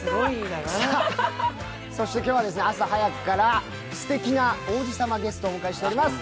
今日は朝早くから、すてきな王子様ゲストをお迎えしています。